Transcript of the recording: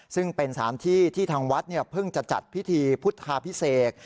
ซึ่งเป็นสถานที่ที่ทางวัดเพิ่งจะจัดพิธีพุทธาพิเศษ